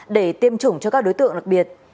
để tiêm chủng cho các đối tượng đặc biệt